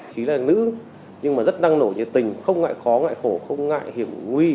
chính là nữ nhưng mà rất năng nổi như tình không ngại khó ngại khổ không ngại hiểu nguy